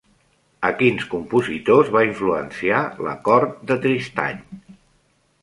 A quins compositors va influenciar l'acord de Tristany?